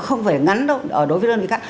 không phải ngắn đâu đối với đơn vị khác